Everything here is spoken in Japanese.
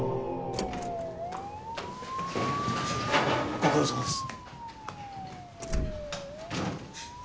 ご苦労さまです。